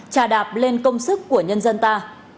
trà đạp lên công sức của nhân dân ta